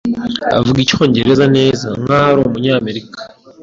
Avuga Icyongereza neza nkaho ari Umunyamerika.